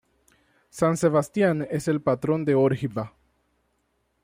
San Sebastián es el patrón de Órgiva.